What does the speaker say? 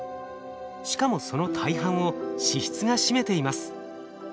しかもその大半を脂質が占めています。